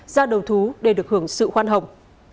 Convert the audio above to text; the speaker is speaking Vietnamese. ra đầu thú để được hưởng sự khoan hồng